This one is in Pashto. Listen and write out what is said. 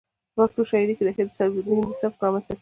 ،په پښتو شاعرۍ کې د هندي سبک رامنځته کېدل